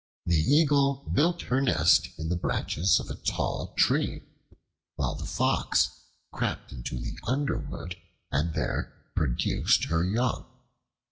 The Eagle built her nest in the branches of a tall tree, while the Fox crept into the underwood and there produced her young.